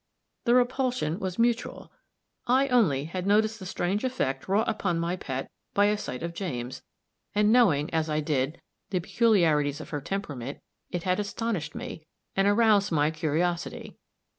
The repulsion was mutual. I, only, had noticed the strange effect wrought upon my pet by a sight of James, and knowing, as I did, the peculiarities of her temperament, it had astonished me, and aroused my curiosity.